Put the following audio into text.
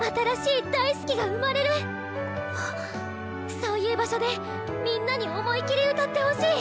そういう場所でみんなに思い切り歌ってほしい！